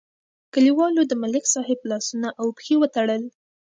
کلیوالو د ملک صاحب لاسونه او پښې وتړل.